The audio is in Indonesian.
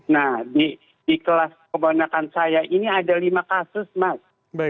nah di kelas kebonakan saya ini ada lima kasus mas